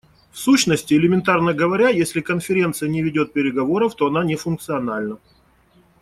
В сущности, элементарно говоря, если Конференция не ведет переговоров, то она не функциональна.